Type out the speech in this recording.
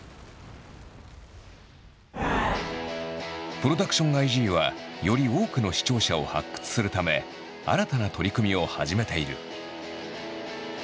ＰｒｏｄｕｃｔｉｏｎＩ．Ｇはより多くの視聴者を発掘するため新たな取り組みを始めている。